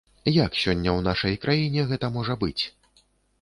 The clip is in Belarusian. Як сёння ў нашай краіне гэта можа быць?